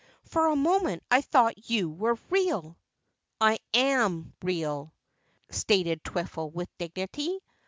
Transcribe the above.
"For a moment I thought you were real!" "I am real," stated Twiffle with dignity.